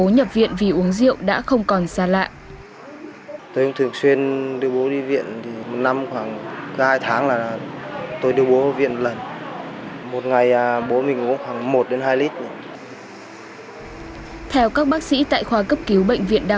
bệnh viện vì uống rượu đã không còn xa lạ theo các bác sĩ tại khoa cấp cứu bệnh viện đa